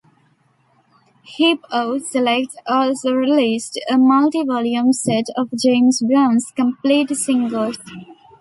Hip-O Select also released a multi-volume set of James Brown's complete singles.